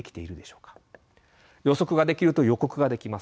予測ができると予告ができます。